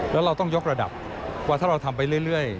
แล้วเราต้องยกระดับว่าถ้าเราทำไปเรื่อย